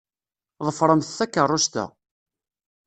Ḍefṛemt takeṛṛust-a.